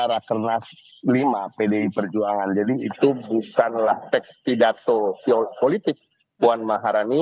rakyat kenas v pdi perjuangan jadi itu bukanlah tekst pidato politik puan maharani